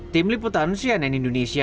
tim liputan cnn indonesia